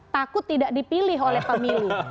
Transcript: takut tidak dipilih oleh pemilu